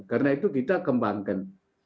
karena itu kita kembangkan